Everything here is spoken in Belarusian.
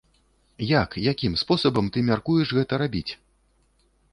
Як, якім спосабам ты мяркуеш гэта рабіць?